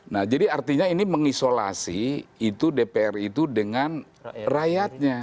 nah jadi artinya ini mengisolasi itu dpr itu dengan rakyatnya